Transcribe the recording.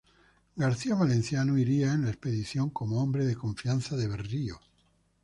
García Valenciano iría en la expedición como hombre de confianza de Berrío.